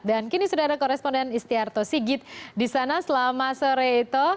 dan kini sudah ada koresponden istiarto sigit di sana selama sore itu